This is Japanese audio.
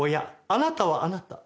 あなたはあなた。